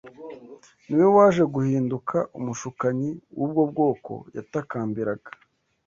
niwe waje guhinduka umushukanyi w’ubwo bwoko yatakambiraga